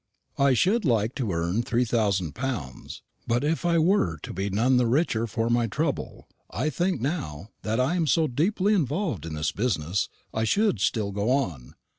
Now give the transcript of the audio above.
I should like to earn three thousand pounds; but if I were to be none the richer for my trouble, I think, now that I am so deeply involved in this business, I should still go on.